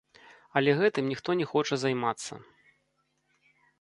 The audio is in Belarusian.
Але гэтым ніхто не хоча займацца.